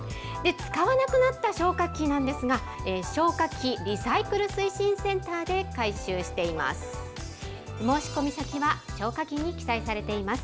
使わなくなった消火器ですが、消火器リサイクル推進センターで回収しています。